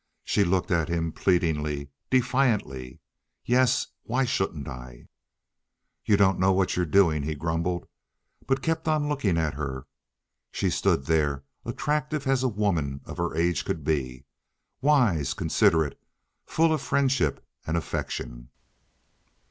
She looked at him pleadingly, defiantly. "Yes, why shouldn't I?" "You don't know what you're doing," he grumbled; but he kept on looking at her; she stood there, attractive as a woman of her age could be, wise, considerate, full of friendship and affection.